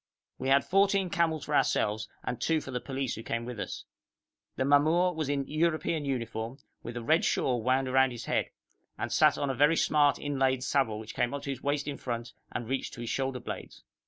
We had fourteen camels for ourselves and two for the police who came with us. The mamour was in European uniform, with a red shawl wound round his head, and sat on a very smart inlaid saddle which came up to his waist in front and reached to his shoulder blades.